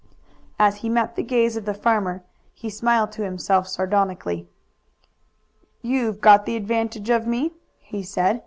As he met the gaze of the farmer he smiled to himself sardonically. "You've got the advantage of me," he said.